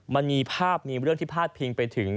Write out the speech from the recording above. มันมีภาพเมียวที่พาดพิงไปถึง